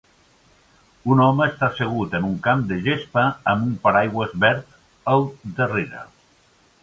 Un home està assegut en un camp de gespa amb un paraigües verd al darrere.